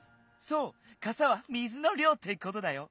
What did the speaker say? そうかさは水のりょうってことだよ。